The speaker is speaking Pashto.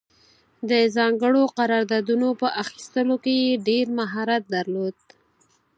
د ځانګړو قراردادونو په اخیستلو کې یې ډېر مهارت درلود.